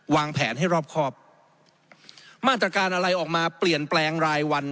วางแผนให้รอบครอบมาตรการอะไรออกมาเปลี่ยนแปลงรายวัน